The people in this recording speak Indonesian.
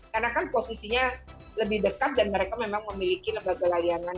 karena kan posisinya lebih dekat dan mereka memang memiliki lembaga layanan